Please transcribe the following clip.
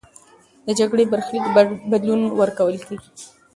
د جګړې برخلیک بدلون ورکول کېږي.